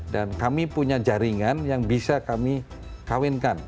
dan kami punya jaringan yang bisa kami kawinkan